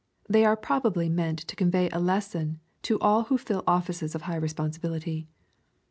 They are probably meant to convey a lesson to all who fill offices of high responsi bility.